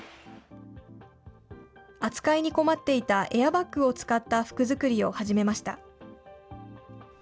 扱いに困っていたエアバッグを使った服作りを始めました。